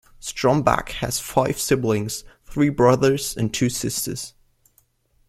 Stromback has five siblings, three brothers and two sisters.